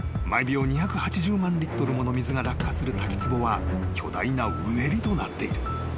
［毎秒２８０万リットルもの水が落下する滝つぼは巨大なうねりとなっている。